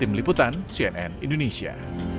tim liputan cnn indonesia